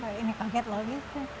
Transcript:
kayak ini kaget lagi